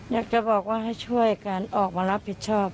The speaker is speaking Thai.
อยากจะบอกว่าให้ช่วยกันออกมารับผิดชอบ